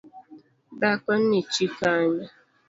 Dhakoni chi Kanye?